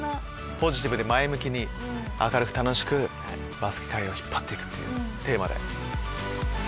ポジティブで前向きに明るく楽しくバスケ界を引っ張っていくっていうテーマで。